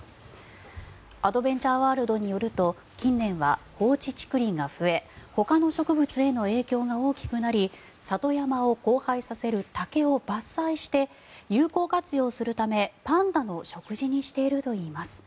アドベンチャーワールドによると近年は放置竹林が増えほかの植物への影響が大きくなり里山を荒廃させる竹を伐採して有効活用するためパンダの食事にしているといいます。